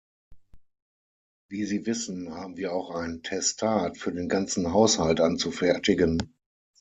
Wie Sie wissen, haben wir auch ein Testat für den ganzen Haushalt anzufertigen.